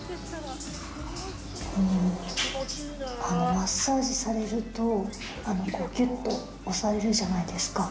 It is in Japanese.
マッサージされるときゅっと押されるじゃないですか。